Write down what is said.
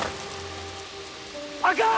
あかん！